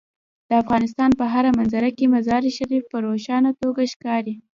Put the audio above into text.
د افغانستان په هره منظره کې مزارشریف په روښانه توګه ښکاري.